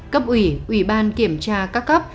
cấp ủy ủy ban kiểm tra các cấp